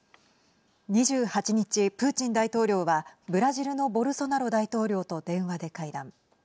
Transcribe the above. ２８日、プーチン大統領はブラジルのボルソナロ大統領と電話で会談。